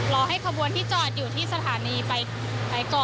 รอให้ขบวนที่จอดอยู่ที่สถานีไปก่อน